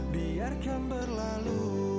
biar kembar lalu